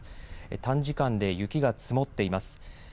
短時間で雪が積もっています。